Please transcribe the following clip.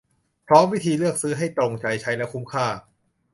พร้อมวิธีเลือกซื้อให้ตรงใจ ใช้แล้วคุ้มค่า